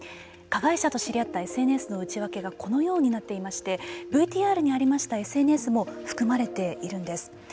加害者と知り合ったＳＮＳの内訳がこのようになっていましてＶＴＲにありましたＳＮＳも含まれているんです。